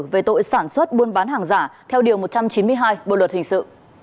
về tội sản xuất buôn bán hàng giả theo điều một trăm chín mươi hai bộ luật hình sự